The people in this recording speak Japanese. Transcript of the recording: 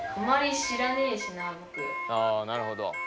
あなるほど。